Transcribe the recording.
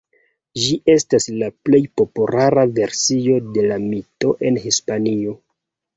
Ĝi estas la plej populara versio de la mito en Hispanio.